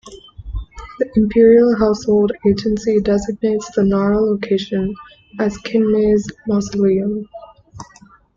The Imperial Household Agency designates the Nara location as Kinmei's mausoleum.